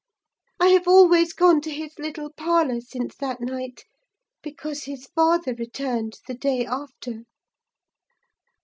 I have always gone to his little parlour, since that night; because his father returned the day after.